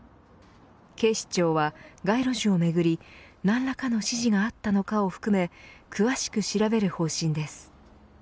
警視庁は、街路樹をめぐり何らかの指示があったのかを含め詳しく調べる方針です。